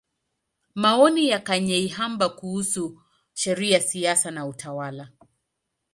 Maoni ya Kanyeihamba kuhusu Sheria, Siasa na Utawala.